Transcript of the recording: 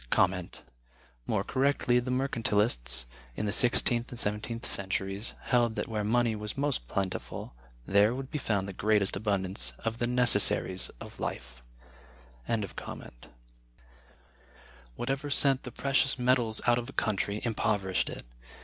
More correctly the Mercantilists (in the sixteenth and seventeenth centuries) held that where money was most plentiful, there would be found the greatest abundance of the necessaries of life.(100) Whatever sent the precious metals out of a country impoverished it.